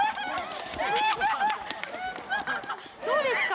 どうですか？